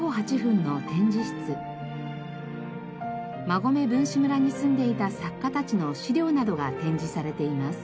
馬込文士村に住んでいた作家たちの資料などが展示されています。